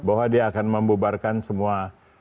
bahwa dia akan membubarkan semua